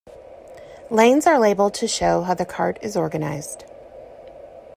Lanes are labelled to show how the chart is organized.